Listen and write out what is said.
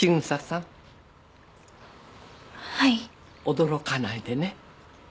驚かないでね。